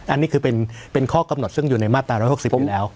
อันนี้คือเป็นข้อกำหนดซึ่งอยู่ในมาตรา๑๖๐อยู่แล้ว